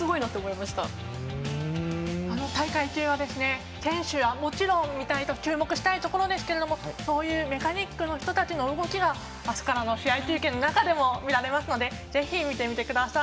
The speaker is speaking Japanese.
大会中は選手はもちろん注目したいところですがそういうメカニックの人たちの動きがあすからの試合中継の中でも見られますのでぜひ見てみてください。